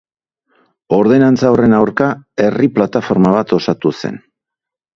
Ordenantza horren aurka, herri plataforma bat osatu zen.